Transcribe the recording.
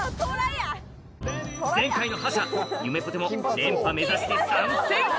前回の覇者ゆめぽても連覇目指して参戦！